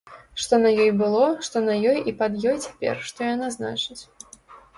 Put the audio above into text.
Што на ёй было, што на ёй і пад ёй цяпер, што яна значыць.